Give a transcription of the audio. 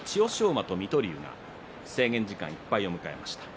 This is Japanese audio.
馬と水戸龍が制限時間いっぱいを迎えました。